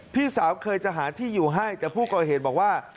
พี่สาวเคยจะหาที่อยู่ให้แต่ผู้ก่อเหตุบอกว่า